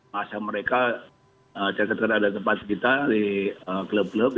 masa mereka cekat cekat ada tempat kita di klub klub ini